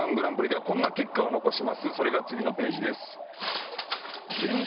それが次のページです。